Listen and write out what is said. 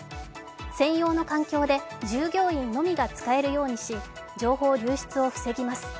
専用の環境で従業員のみが使えるようにし情報流出を防ぎます。